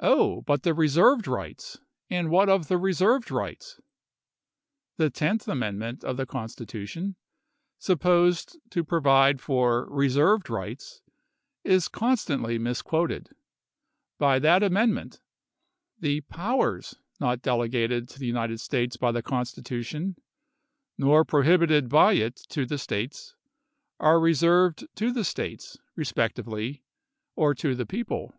"Oh, but 'the reserved rights'! And what of the reserved rights ? The tenth amendment of the Constitution, supposed to provide for 'reserved rights,' is constantly misquoted. By that amend ment 'the powers not delegated to the United 198 ABRAHAM LINCOLN Chap. VII. States by the Constitution, nor prohibited by it to the States, are reserved to the States, respectively, or to the people.'